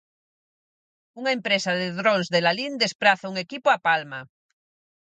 Unha empresa de drons de Lalín despraza un equipo á Palma.